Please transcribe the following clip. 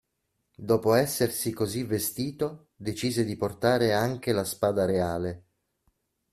Dopo essersi così vestito, decise di portare anche la spada reale.